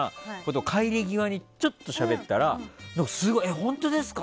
帰り際にちょっとしゃべったらすごい、本当ですか？